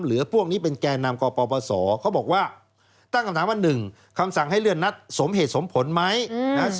พวกนี้เป็นแก่นำกปปศเขาบอกว่าตั้งคำถามว่า๑คำสั่งให้เลื่อนนัดสมเหตุสมผลไหม